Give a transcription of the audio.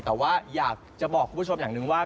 แต่ว่าอยากจะบอกคุณผู้ชมอย่างนึงว่า